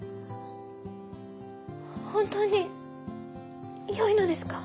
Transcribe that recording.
本当によいのですか？